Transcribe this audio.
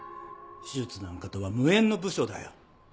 手術なんかとは無縁の部署だよ。